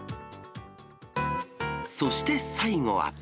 そして最後は。